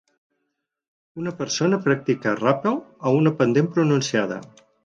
Una persona practica ràpel a una pendent pronunciada.